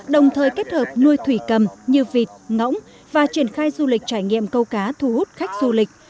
đồng thời kết hợp nuôi thủy cầm như vịt ngỗng và triển khai du lịch trải nghiệm câu cá thu hút khách du lịch